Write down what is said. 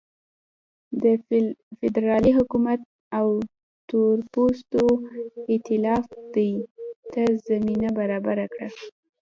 د فدرالي حکومت او تورپوستو اېتلاف دې ته زمینه برابره کړه.